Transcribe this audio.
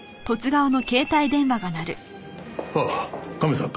ああカメさんか。